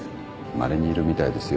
まれにいるみたいですよ。